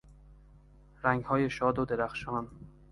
رنگهای شاد و درخشان